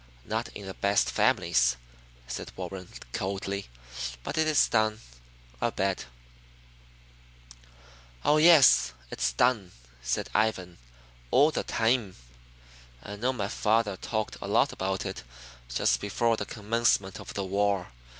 "Not in the best families," said Warren coldly. "But it is done, I'll bet." "Oh, yes, it's done," said Ivan, "all the time. I know my father talked a lot about it just before the commencement of the war.